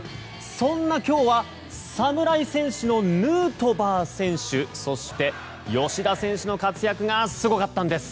そんな今日は侍戦士のヌートバー選手そして、吉田選手の活躍がすごかったんです。